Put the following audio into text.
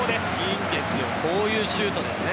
いいんですよこういうシュートですよね。